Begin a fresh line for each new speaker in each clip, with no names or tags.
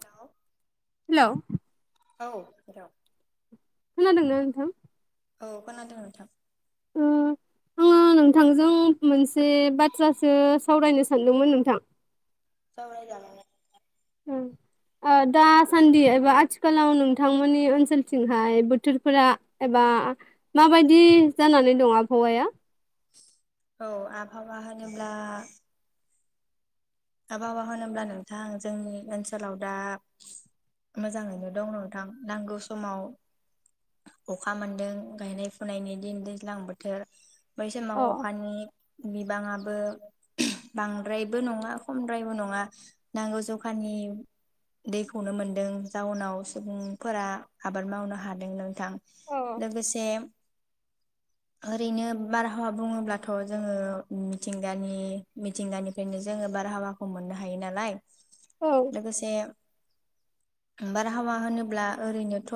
औ
हेलौ
औ [unintelligible]
खोनादोंना नोंथां?
औ खोनादों नोंथां।
ओ आंङो नोंथांजों मोनसे बाथ्रासो सावरायनो सानदोंमोन नोंथां।
सावरायजागोन दे
ओ दासान्दि एबा आथिखालाव नोंथांमोननि ओनसोलथिंहाय बोथोरफोरा एबा माबायदि जानानै दं आबहावाया?
औ आबहावा होनोब्ला आबहावा होनोब्ला नोंथां जोंनि ओनसोलाव दा मोजाङैनो दं नोंथां नांगौ समाव अखा मोनदों गायनाय फुनायनि दिन दैज्लां बोथोर।
अ
बैसमाव अखानि बि बिबाङाबो बांद्रायबो नङा। खमद्रायबो नङा नांगौ जखानि दैखौनो मोनदों जाउनाव सुबुंफोरा आबाद मावनो हादों नोंथां।
अ
लोगोसे ओरैनो बारहावा बुङोब्लाथ जोंङो मिथिंगानि मिथिंगानिफ्रायनो जोंङो बारहावाखौ मोननो हायो नालाय।
औ
लोगोसे बारहावा होनोब्ला ओरैनोथ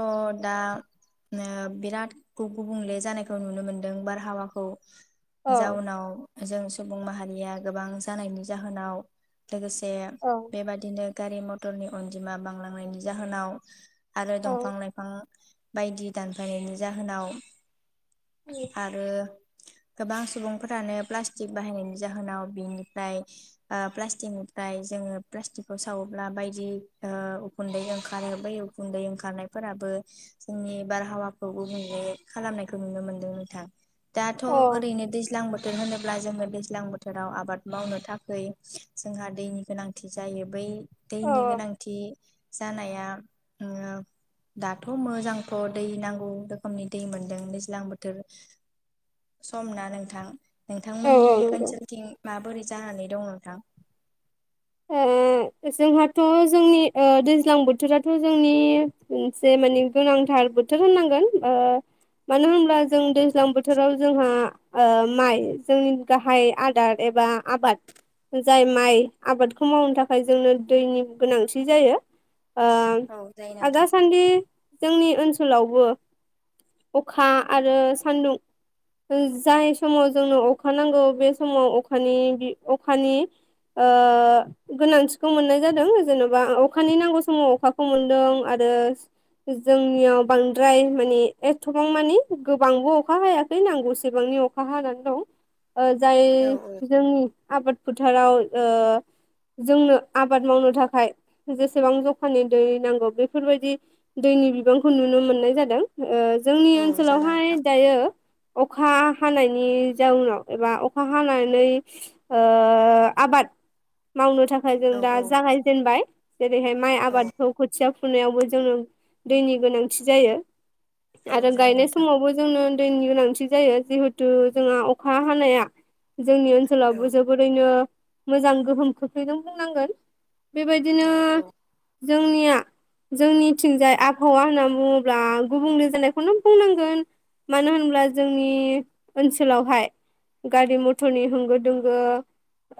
दा नो बिराद गुबुंले जानायखौ नुनो मोनदों बारहावाखौ
औ
जाउनाव जों सुबुं माहारिया गोबां जानायनि जा होनाव लोगोसे
औ
बेबादिनो गारि मथ टरनि अनजिमा बांलांनायनि जाहोनाव आरो
औ अ
दंफां लाइफां बायदि दानफायनायनि जाहोनाव आरो गोबां सुबुंफोरानो प्लास्टिक बाहायनायनि जाहोनाव बिनिफ्राय ओ प्लास्टिकनिफ्राय जोङो प्लास्टिकखौ सावोब्ला बायदि उखुन्दै ओंखारो बै उखुन्दै ओंखारनायफोराबो जोंनि बारहावाखौ गुबुंले खालामनायखौ नुनो मोनदों नोंथां। दाथ'
अ
ओरैनो दैज्लां बोथ थोर होनोब्ला जोङो दैज्लां बोथोराव आबाद मावनो थाखोय जोंहा दैनि गोनांथि जायो बै
औ
दैनि गोनांथि जानाया उम दाथ' मोजांथ' दै नांगौ रोखोमनि दै मोनदों दैज्लां बोथोर सम ना नोंथां? नोंथांमोननि
औ नंगौ
ओनसोलथिं माबोरै जानानै दङ? थां
ओ जोंहाथ' जोंनि ओ दैज्लां बोथोराथ' जोंनि मोनसे माने गोनांथार बोथोर होननांगोन ओ मानो होनब्ला जों दैज्लां बोथोराव जोंहा ओ माइ जोंनि गाहाय आदार एबा आबाद जाय माइ आबादखौ मावनो थाखाय जोंनो दैनि गोनांथि जायो।
औ जायो
आ दा
नोंथां
सान्दि जोंनि ओनसोलावबो अखा आरो सानदुं जाय समाव जोंनो अखा नांगौ बे समाव अखानि बि अखानि ओ गोनांथिखौ मोननाय जादों जेन'बा अखानि नांगौ समाव अखाखौ मोनदों आरो जोंनियाव बांद्राय मानि एथबां मानि गोबांबो अखा हायाखै नांगौसेबांनि अखा हानानै दं। जाय
औ औ
जोंनि आबाद फोथाराव ओ जोंनो आबाद मावनो थाखाय जेसेबां जखानि दै नांगौ बेफोरबायदि दैनि बिबांखौ नुनो मोननाय जादों ओ जोंनि
औ जादों
ओनसोलावहाय
नोंथां
दायो अ खा हानायनि जाउनाव एबा अखा हानानै ओ आबाद मावनो थाखाय जों
औ
दा
औ
जागायजेनबाय। जेरैहाय माइ
औ
आबादखौ खोथिया फुनायावबो जोङो दैनि गोनांथि जायो।
औ
आरो
जायो
गायनाय
नोंथां
समावबो जोंनो दैनि गोनांथि जायो जिहेथु जोंहा अखा हानाया जोंनि
औ
ओनसोलावबो जोबोरैनो मोजां गोहोम खोख्लैदों बुंनांगोन। बेबायदिनो
औ
जोंनिया जोंनिथिंजाय आबहावा होननानै बुङोब्ला गुबुंले जानायखौनो बुंनांगोन मानो होनब्ला जोंनि ओनसोलावहाय गारि मथरनि होंगो दोंगो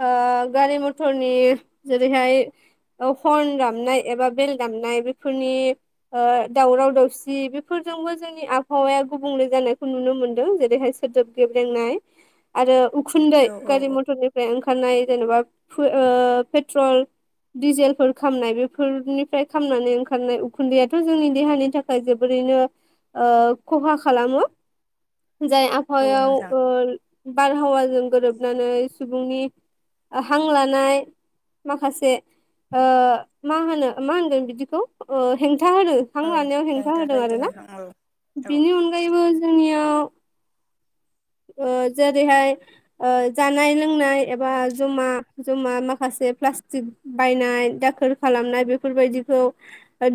ओ गारि मथरनि जेरैहाय हरन दामनाय एबा बेल दामनाय बेफोरनि ओ दावराव दावसि बेफोरजोंबो जोंनि आबहावाया गुबुंले जानायखौ नुनो मोन्दों जेरैहाय सोदोब गेब्लेंनाय आरो उखुन्दै
औ औ
गारि
औ
मथरनिफ्राय ओंखार ओंखारनाय जेनेबा प ओ पेट्रल डिजेलफोर खामनाय बेफोरनिफ्राय खामनानै ओंखारनाय उखुन्दैयाथ' जोंनि देहानि थाखाय जोबोरैनो ओ खहा खालामो। जाय
औ
आबहावायाव
नोंथां
ओ बार आबहावाजों गोरोबनानै सुबुंनि हां लानाय माखासे ओ मा होनो मा होनगोन बिदिखौे? ओ हेंथा होदो हां
औ
लानायाव हेंथा
नोंथां
होदों
हैदो
आर ना
नोंथां औ औ
बिनि अनगायैबो जोंनियाव [unintelligible] ओ जेरैहाय ओ जानाय लोंनाय एबा जमा जमा माखासे प्लास्टिक बायनाय दाखोर खालामनाय बेफोरबायदिखौ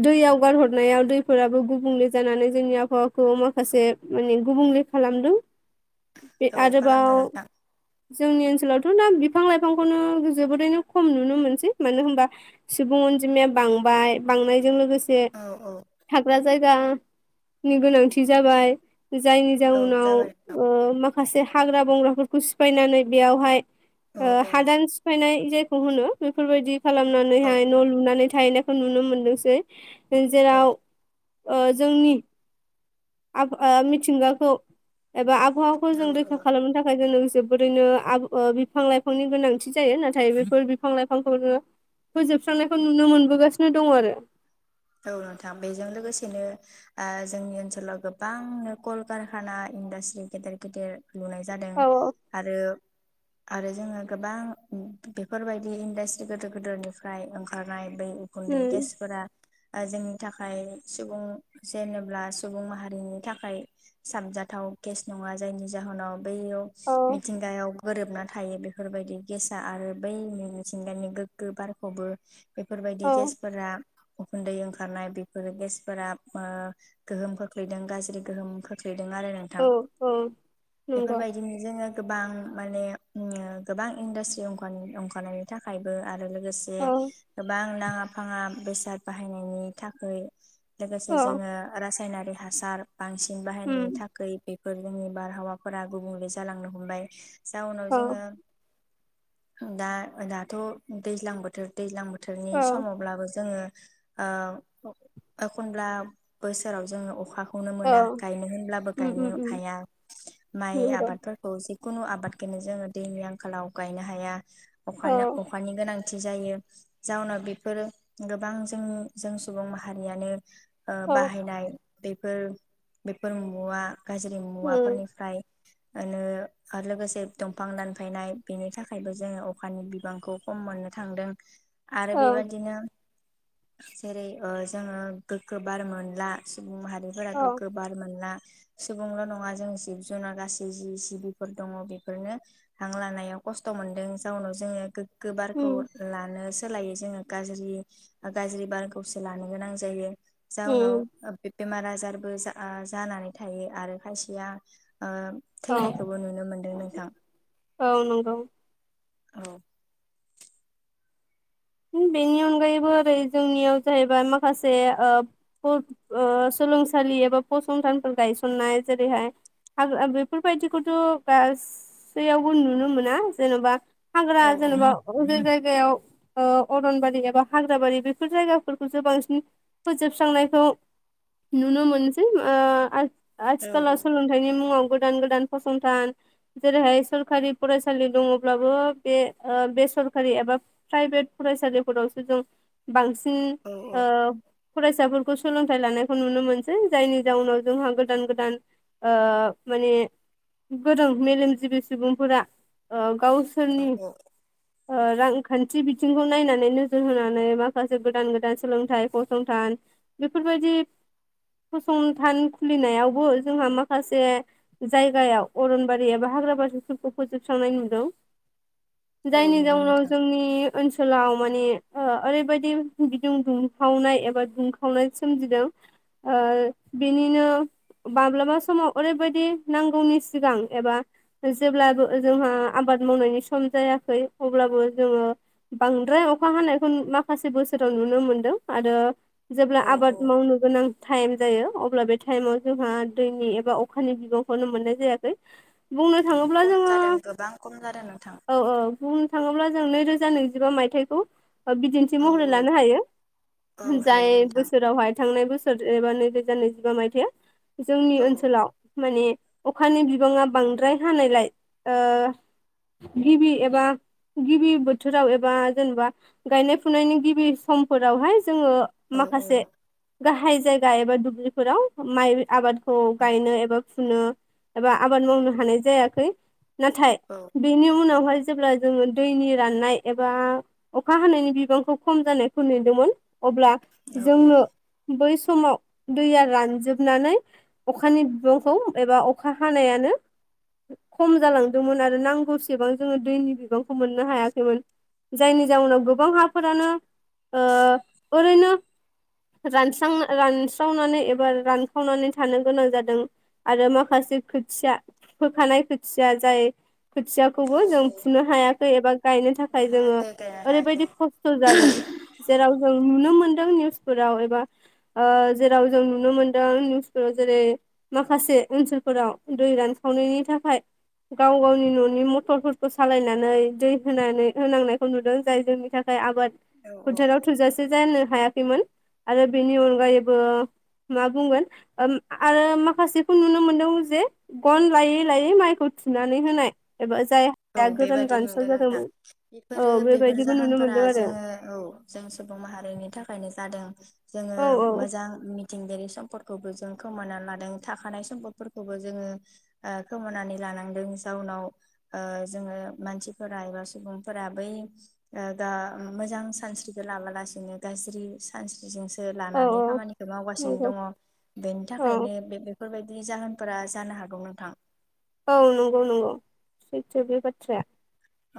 दैयाव गारहरनायाव दैफोराबो गुबुंले जानानै जोंनि आबहावाखौ माखासे माने गुबुंले खालामदों। बे
औ
आरोबाव
खालामदो नोंथां
जोंनि ओनसोलावथ' दा बिफां लाइफांखौनो जोबोरैनो खम नुनो मोनसै मानो होनबा सुबुं अनजिमाया बांबाय बांनायजों लोगोसे एसे
औ औ
थाग्रा जायगा नि गोनांथि जाबाय जायनि
औ
जाउनाव
जाबाय नोंथां
ओ माखासे हाग्रा बंग्राफोरखौ सिफायनानै बेयावहाय
औ
ओ हादान सिफायनाय जा होनो बेफोरबायदि
औ
खालामनानैहाय न' लुनानै थाहैनायखौ नुनो मोनदोंसै। नों
औ
जेराव ओ जोंनि ओ आब मिथिंगाखौ एबा आब आबखाहाखौ
औ
जों रैखा
औ
खालामनो थाखाय जोङो जोबोरैनो आब ओ बिफां लाइफांनि गोनांथि जायो नाथाय बेफोर बिफां लाइफांखौनो फोजोबस्रांनायखौ नुनो मोनबोगासिनो दङ आरो
औ नोंथां बेजों लोगोसेनो ओ जोंनि ओनसोलाव गोबांनो कल कारखाना इन्डास्ट्रि गेदेर गेदेर लुनाय जादों
औ
आरो आरो जोङो गोबां बेफोरबायदि इन्डास्ट्रि गोदोर गोदोर निफ्राय ओंखारनाय बै
उम
उखुन्दै गेसफोरा जोंनि थाखाय सुबुं जेनेब्ला सुबुं माहारिनि थाखाय साबजाथाव केस नङा जायनि जाहोनाव बैयाव
औ
मिथिंगायाव गोरोबनानै थायो बेफोरबायदि गेसआ आरो बै मि मिथिंगानि गोग्गो बारखौबो बेफोरबायदि
औ
गेसफोरा गुन्दै ओंखारनाय बेफोरो गेसफोरा ओ गोहोम खोख्लैदों गाज्रि गोहोम खोख्लैदों। आरो नोंथां
औ औ नंगौ
बेफोरबायदिनो जोङो। गोबां माने उम गोबां इन्दिस्रिया अंखारनायनि अंखारनायनि थाखायबो आरो लोगोसे
औ
गोबां नाङा फाङा बेसाद बाहायनायनि थाखै
अ
लोगोसे जोङो रासाय रायनारि हासार बांसिन बाहायनायनि
उम
थाखै बेब फोर जोंनि बारहावाफोरा गुबुंले जालांनो हमबाय। जाउनाव
अ
जोङो दा दाथ' दैज्लां बोथोर दैज्लां बोथ थोरनि
अ
समावब्लाबो जोङो। ओ अ एखनब्ला बोसोराव जोङो अखाख खौनो
अ
मोना गायनो होनब्लाबो
उम
गायनो
उम उम
हाया माइ
नंगौ
आबादफोरखौ जि खुनु आबादखोनो जोङो दैनि आंखालाव गायनो हाया।
औ
अखानो अखानि गोनां थि जायो जाउनाव बेफोरो गोबां ओं जों सुबुं माहारियानो ओ
औ
बाहायनाय बेफोर बेफोर मुवा गाज्रि
उम
मुवाफोरनिफ्राय आलो आरो लोगोसे दंफां दानफायनाय बेनि थाखायबो जोङो अखानि बिबांखौ खम मोननो थांदों। आरो
औ
बेबादिनो जेरै ओ जोङो गोग्गो बार मोनलास माहारिफोरा
औ
गोग्गो बार मोनला सु सुबुंल नङा जों जिब जुनार गासै जि जिबिफोर दङ बेफोरनो हां लानायाव खस्थ' मोनदों जाउनाव जोङो गोग गो बारखौ
उम
लानोस सोलायो जोङो गाज्रि बा गाज्रि बारखौसो लानो गोनां जायो। जाउनाव
उम
ओ बेब बेमार आजारबो जा ओ जानानै थायो आरो खायसेया ओ
औ
थैनायखौबो नुनो मोनदों नोंथां।
औ नंगौ
औ
बेनि अनगायैबो ओरै जोंनियाव जाहैबाय माखासे ओ फर ओ सोलोंसालि एबा फसंथानफोर गायसननाय जेरैहाय हाग्रा बेफोरबायदिखौथ' गासैयावबो नुनो मोना जेन'बा
औ
हांग्रा जेनेबा अबे जायगा बेयाव अरनबारि एबा हाग्राबारि बेफोर जायगाफोरखौसो बांसिन फोजोबस्रांनायखौ नुनो मोनसै ओ
औ
आथिखालाव सोलोंथायनि मुङाव गोदान गोदान फसंथान जेरैहाय सरखारि फरायसालि दङब्लाबो बे बेसरखारि एबा प्राइभेट फरायसालिफोरावसो जों बांसिन
औ
बि ओ फरायसाफोरखौ सोलोंथाइ लानायखौ नुनो मोनसै जायनि जाउनाव जोंहा गोदान गोदान ओ माने गोरों मेलेमजिबि सुबुंफोरा ओ
औ
गावसोरनि
औ
ओ रांखान्थि बि बिथिंखौ नायनानै नोजोर होनानै माखासे गोदान गोदान सोलोंथाइ फसंथान बेफोरबायदि फसंथान खुलिनायावबो जोंहा माखासे जायगायाव अरनबारि एबा हाग्रा बारिफोरखौ फोजोबस्रांनाय नुदों
औ
जायनि
नुदों
जाउनाव
नोंथां
जोंनि ओनसोलाव माने ओरैबायदि गुदुं दुंखावनाय एबा दुंखावनाय सोमजिदों बिनिनो माब्लाबा समाव ओरैबायदि नांगौनि सिगां एबा जेब्लाबो जोंहा आबाद मावनायनि सम जायाखै अब्लाबो जोङो बांद्राय अखा हानायखौ माखासे बोसोराव नुनो मोनदों आरो जेब्ला
औ
आबाद
औ
मावनो गोनां टाइम जायो अब्ला बे टाइमाव जोंहा दैनि एबा अखानि बिबांखौनो मोननाय जायाखै बुंनो
औ
थाङोब्ला
खम
जोङो
जादों गोबां खम जादों नोंथां।
औ औ बुंनो थाङोब्ला जों नैरोजा जानो जिबा मायथाइखौ बिदिन्थि
औ
महरै
औ
लानो हायो
औ हायो
जाय
नोंथां
बोसोरावहाय थांनाय बोसोर एबा नैरोजा नैजिबा मायथाइआ जोंनि
औ
ओनसोलाव माने अखानि बिबाङा बांद्राय हानायलाय ओ गिबि एबा गिबि बोथोराव बा जेनेबा गायनाय फुनायनि गिबि समफोरावहाय जोङो
औ
माखासे गाहाय जायगा एबा दुब्लिफोराव माइ आबादखौ गायनो एबा फुनो एबा आबाद मावनो हानाय जायाखै नाथाय
औ
बिनि उनावहाय जेब्ला जोङो दैनि राननाय एबा अखा हानायनि बिबांखौ खम जानायखौ नुदोंमोन अब्ला
औ
जोंनो बै सम समाव दैया रानजोबनानै अखानि बिबांखौ एबा अखा हानायानो खम जालांदोंमोन आरो नांगौसेबां जोङो दैनि बिबांखौ मोननो हायाखैमोन जायनि जाउनाव गोबां हाफोरानो ओ ओरैनो रानस्रां रानस्रावनानै एबा रानखावनानै थानो गोनां जादों आरो माखासे खोथिया फोखानाय खोथिया जाय खोथियाखौबो
औ
जों फुनो हायाखै एबा गायनो
फुनो
थाखाय जोङो
हायाखै गायनो
ओरैबायदि
हायाखै
खस्थ' जादों जेराव जों नुनो मोनदों नि निउस फोराव एबा ओ जेराव जों नुनो मोनदों निउसफोराव जेरै माखासे ओनसोलफोराव दै रानखावनायनि थाखाय गाव गावनि न'नि मथरफोरखौ सालायनानै दै होनानै होनांनायखौ नुदों जाय जोंनि थाखाय आबाद
औ औ
फोथाराव थोजासे जानो हायाखैमोन आरो बेनि अनगायैबो मा बुंगोन ओ आरो माखासेखौ नुनो मोनदों जे गन लायै लायै माइखौ थुनानै होनाय एबा जाय
औ
हाया गोदान
बेबादि
रानसाव
नुदों नोंथां
जादोंमोन।
बेफोरो
औ
बेफोर
बेबायदिबो नुनो
जाहोनफोरा
मोनदों आरो
जोङो औ जों सुबुं माहारिनि थाखायनो जादों। दों जोङो
औ औ
मोजां मिथ मिथिंगायारि सम्दखौबो जों खोमानानै लादों थाखानाय सम्पदफोरखौबो जोङो ओखोमानानै लानांदों जाउनाव ओ जोङो मानसिफोरा एबा सुबुंफोरा बै ओ दा मोजां सानस्रिखो लाबोलासिनो गाज्रि सानसि जोंसो
औ
लानानै
औ
खामानिखौ मावगासिनो
नंगौ
दङ बेनि
औ
थाखायनो बे बेफोरबायदि जाहोनफोरा जानो हागौ नोंथां।
औ नंगौ नंगौ सैथो बे बाथ्राया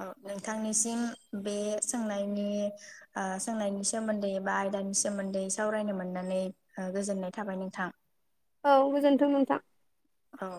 औ नोंथांनिसिम बे सोंनायनि ओ सोंनायनि सोमोन्दै एबा आयदानि सोमोन्दै सावरायनो मोननानै ओ गोजोननाय थाबाय नोंथां।
औ गोजोनथों नोंथां
औ